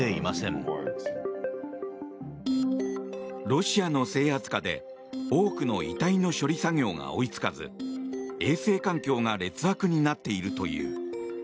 ロシアの制圧下で多くの遺体の処理作業が追いつかず衛生環境が劣悪になっているという。